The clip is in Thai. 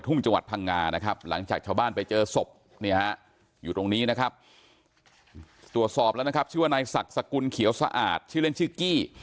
จังหวัดพังงานะครับหลังจากชาวบ้านไปเจอศพเนี่ยฮะอยู่ตรงนี้นะครับตรวจสอบแล้วนะครับชื่อว่านายศักดิ์สกุลเขียวสะอาดชื่อเล่นชื่อกี้